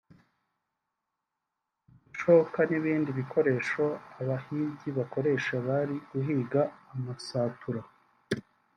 udushoka n’ibindi bikoresho abahigi bakoresha bari guhiga amasatura